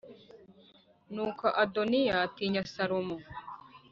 Nuko Adoniya atinya Salomo